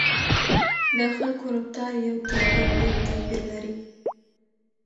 د خلکو رفتار یو تر بل ډېر توپیر لري.